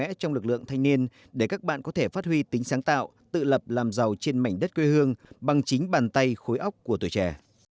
các trong lực lượng thanh niên để các bạn có thể phát huy tính sáng tạo tự lập làm giàu trên mảnh đất quê hương bằng chính bàn tay khối óc của tuổi trẻ